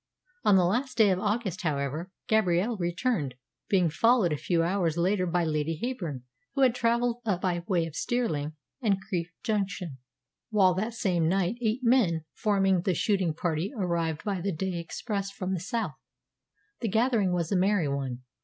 On the last day of August, however, Gabrielle returned, being followed a few hours later by Lady Heyburn, who had travelled up by way of Stirling and Crieff Junction, while that same night eight men forming the shooting party arrived by the day express from the south. The gathering was a merry one.